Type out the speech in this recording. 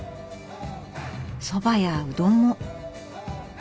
そばやうどんも。